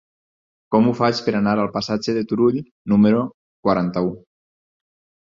Com ho faig per anar al passatge de Turull número quaranta-u?